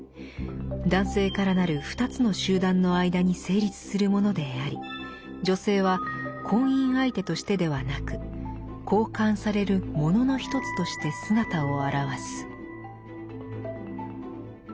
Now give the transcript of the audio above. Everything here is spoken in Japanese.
男性からなるふたつの集団の間に成立するものであり女性は婚姻相手としてではなく交換される物のひとつとして姿を現す」。